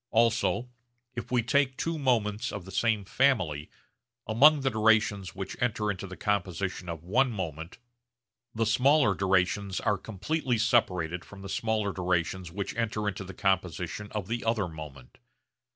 Also if we take two moments of the same family, among the durations which enter into the composition of one moment the smaller durations are completely separated from the smaller durations which enter into the composition of the other moment.